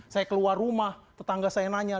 saya keluar rumah tetangga saya nanya